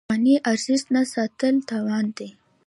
د افغانۍ ارزښت نه ساتل تاوان دی.